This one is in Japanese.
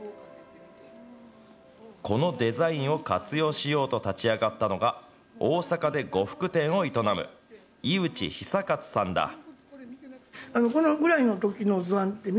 このデザインを活用しようと立ち上がったのが、大阪で呉服店を営む居内久勝さんだ。